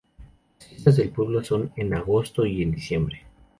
Las fiestas del pueblo son en agosto y en diciembre.